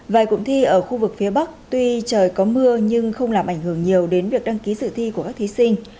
vài cụm thi ở khu vực phía bắc tuy trời có mưa nhưng không làm ảnh hưởng nhiều đến việc đăng ký dự thi của các thí sinh